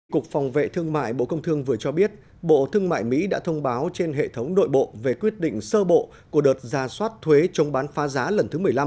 cục phòng vệ thương mại bộ công thương vừa cho biết bộ thương mại mỹ đã thông báo trên hệ thống nội bộ về quyết định sơ bộ của đợt ra soát thuế chống bán phá giá lần thứ một mươi năm